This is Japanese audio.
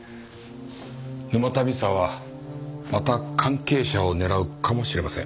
沼田美沙はまた関係者を狙うかもしれません。